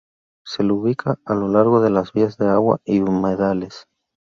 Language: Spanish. Se lo ubica a lo largo de vías de agua y humedales.